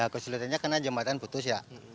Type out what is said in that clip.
kesulitannya karena jembatan putus ya